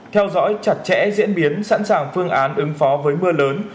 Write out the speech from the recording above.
theo dõi chặt chẽ diễn biến sẵn sàng phương án ứng phó với mưa lớn